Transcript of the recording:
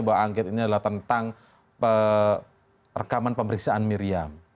bahwa angket ini adalah tentang rekaman pemeriksaan miriam